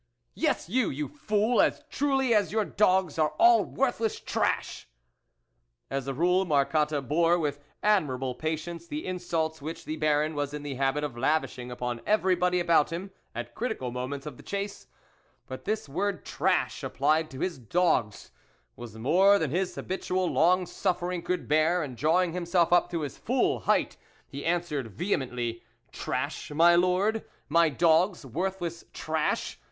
" "Yes, you, you fool, as truly as your dogs are all worthless trash !" As a rule, Marcotte bore with admirable patience the insults which the Baron was in the habit of lavishing upon everybody about him at critical moments of the chase, but this word trash, applied to his dogs, was more than his habitual long suffering could bear, and drawing himself up to his full height, he answered vehe mently, " Trash, my Lord ? my dogs worthless trash